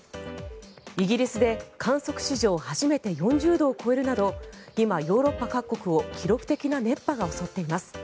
イギリスで観測史上初めて４０度を超えるなど今、ヨーロッパ各国を記録的な熱波が襲っています。